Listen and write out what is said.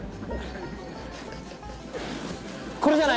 これじゃない？